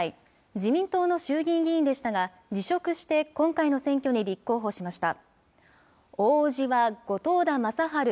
自民党の衆議院議員でしたが、辞職して今回の選挙に立候補しました。